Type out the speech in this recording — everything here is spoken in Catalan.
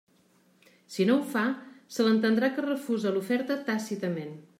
Si no ho fa, se l'entendrà que refusa l'oferta tàcitament.